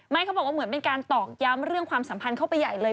เขาบอกว่าเหมือนเป็นการตอกย้ำเรื่องความสัมพันธ์เข้าไปใหญ่เลย